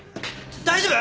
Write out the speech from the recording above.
大丈夫？